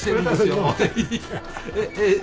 えっ。